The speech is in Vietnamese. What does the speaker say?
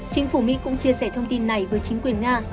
chính phủ mỹ cũng chia sẻ thông tin này với chính quyền nga